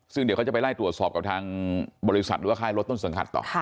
ซึ่งเดี๋ยวเขาจะไปไล่ตรวจสอบกับทางบริษัทหรือว่าค่ายรถต้นสังกัดต่อ